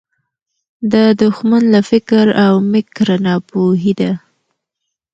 د دښمن له فکر او مِکره ناپوهي ده